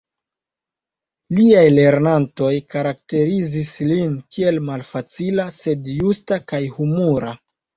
Liaj lernantoj karakterizis lin kiel "malfacila, sed justa kaj humura.